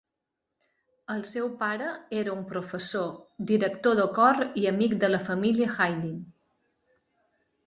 El seu pare era un professor, director de cor i amic de la família Haydn.